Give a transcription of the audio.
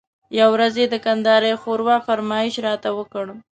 یوه ورځ یې د کندارۍ ښوروا فرمایش راته وکړ.